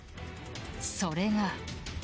それが。